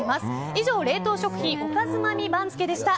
以上、冷凍食品おかづまみ番付でした。